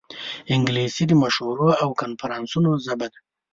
انګلیسي د مشورو او کنفرانسونو ژبه ده